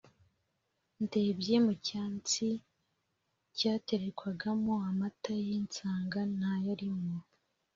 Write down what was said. ndebye mucyatsi cyaterekwagamo amata ye nsanga ntayarimo